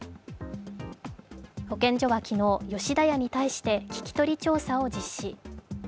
保健所は昨日、吉田屋に対して聞き取り調査を実施。